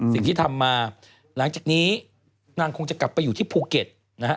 สิ่งที่ทำมาหลังจากนี้นางคงจะกลับไปอยู่ที่ภูเก็ตนะฮะ